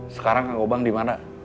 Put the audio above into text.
sekarang kang gobang dimana